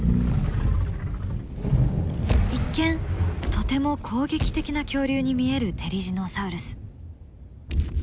一見とても攻撃的な恐竜に見えるテリジノサウルス。